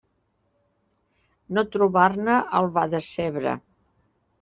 No trobar-ne el va decebre.